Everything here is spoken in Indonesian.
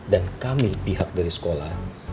dan kami pihak dari sekolah